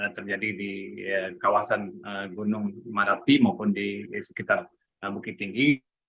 terjadi di kawasan gunung merapi maupun di sekitar bukit tinggi